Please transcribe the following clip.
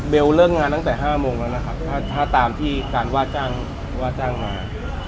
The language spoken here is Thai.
เบลเลิกงานตั้งแต่๕ชั่วโมงแล้วนะครับถ้าตามที่การว่าจ้างมา